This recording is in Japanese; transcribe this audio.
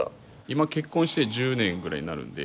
今結婚して１０年ぐらいになるので。